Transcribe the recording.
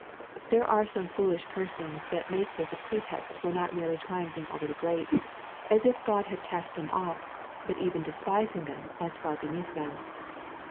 There are some foolish persons that make this a pretext for not merely triumphing over the great, as if God had cast them off", but even despising them as far beneath them.